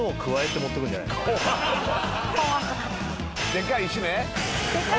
でかい石ね。